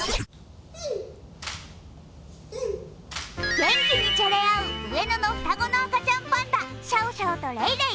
元気にじゃれ合う上野の双子の赤ちゃんパンダシャオシャオとレイレイ。